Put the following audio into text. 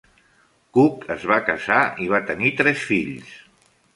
Cook es va casar i va tenir tres fills.